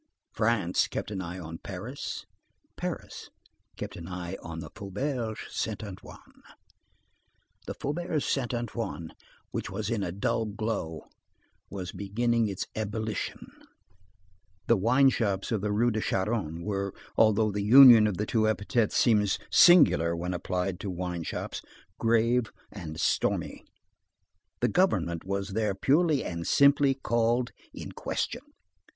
France kept an eye on Paris; Paris kept an eye on the Faubourg Saint Antoine. The Faubourg Saint Antoine, which was in a dull glow, was beginning its ebullition. [Illustration: A Street Orator] The wine shops of the Rue de Charonne were, although the union of the two epithets seems singular when applied to wine shops, grave and stormy. The government was there purely and simply called in question.